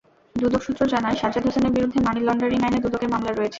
দুদক সূত্র জানায়, সাজ্জাদ হোসেনের বিরুদ্ধে মানি লন্ডারিং আইনে দুদকের মামলা রয়েছে।